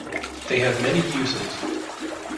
They have many uses.